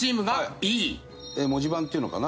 文字盤っていうのかな？